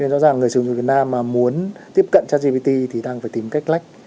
rõ ràng người sử dụng việt nam mà muốn tiếp cận cho gpt thì đang phải tìm cách lách